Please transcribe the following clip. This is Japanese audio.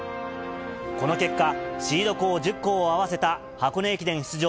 この結果、シード校１０校を合わせた箱根駅伝出場